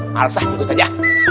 nah alesan ikut aja